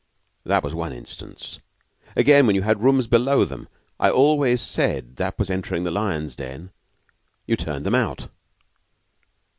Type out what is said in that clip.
"That was one instance. Again, when you had rooms below them I always said that that was entering the lion's den you turned them out."